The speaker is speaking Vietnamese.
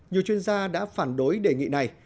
nhiều chuyên gia đã phản đối đề nghị này